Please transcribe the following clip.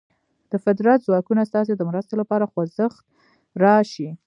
د فطرت ځواکونه ستاسې د مرستې لپاره خوځښت راشي.